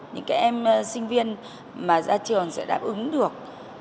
những cái em sinh viên mà ra trường sẽ đáp ứng được